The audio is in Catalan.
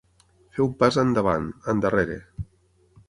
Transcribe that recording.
Fer un pas endavant, endarrere.